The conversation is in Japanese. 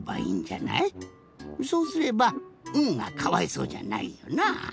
そうすれば「ん」がかわいそうじゃないよな。